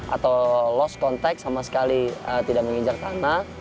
atau lost contact sama sekali tidak menginjak tanah